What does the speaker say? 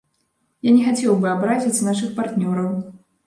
Я не хацеў бы абразіць нашых партнёраў.